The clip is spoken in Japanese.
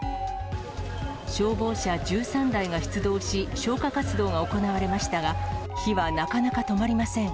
消防車１３台が出動し、消火活動が行われましたが、火はなかなか止まりません。